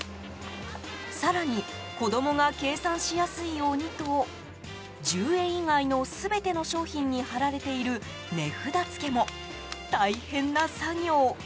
更に、子供が計算しやすいようにと１０円以外の全ての商品に貼られている値札付けも大変な作業。